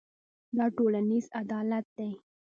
دا ټولنیز عدالت دی.